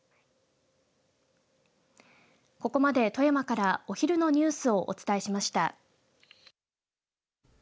ここまで富山からお昼のニュースをお伝えしました。